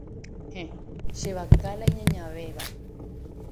Héẽ. Che vaka la iñañavéva.